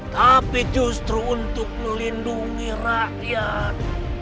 tapi justru untuk melindungi rakyat